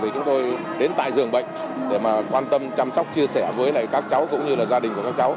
chúng tôi đến tại giường bệnh để quan tâm chăm sóc chia sẻ với các cháu cũng như là gia đình của các cháu